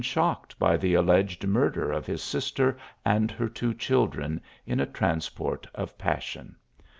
shocked by the alleged murder of his sister and her two children, in a transport of passion?